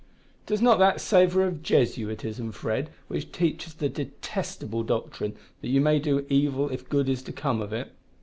'" "Does not that savour of Jesuitism, Fred, which teaches the detestable doctrine that you may do evil if good is to come of it?"